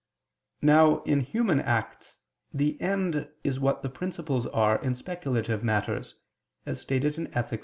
Now in human acts the end is what the principles are in speculative matters, as stated in _Ethic.